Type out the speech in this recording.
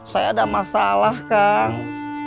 saya ada masalah kang